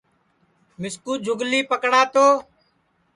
مِسکُو جُھولی پکڑا تو